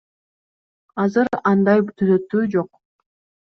Азыр андай түзөтүү жок.